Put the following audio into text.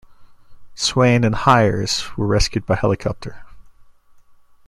Swain and Hires were rescued by helicopter.